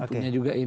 punya juga ini